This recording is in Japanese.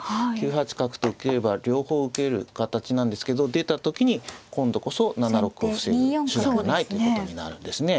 ９八角と受ければ両方受ける形なんですけど出た時に今度こそ７六を防ぐ手段はないということになるんですね。